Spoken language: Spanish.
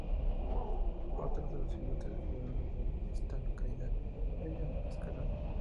Otro de los ilustres ciudadanos de esta localidad es Lionel Scaloni.